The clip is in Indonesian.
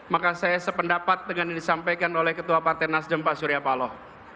maka saya sependapat dengan yang disampaikan oleh ketua partai nasdem pak surya paloh